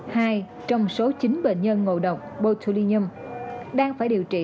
hai trong số chín bệnh nhân ngộ độc botulium đang phải điều trị